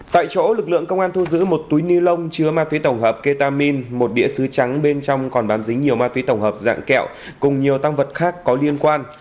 tại chỗ lực lượng công an thu giữ một túi ni lông chứa ma túy tổng hợp ketamin một đĩa xứ trắng bên trong còn bán dính nhiều ma túy tổng hợp dạng kẹo cùng nhiều tăng vật khác có liên quan